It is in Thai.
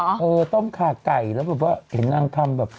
ใช่ต้มขาดไก่แล้วเพราะว่าเห็นนางทำแบบ